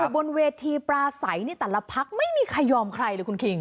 บนเวทีปลาใสในแต่ละพักไม่มีใครยอมใครเลยคุณคิง